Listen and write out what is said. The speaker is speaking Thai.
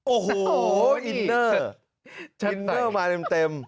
โอ้โหอินเนอร์อินเนอร์มาเต็ม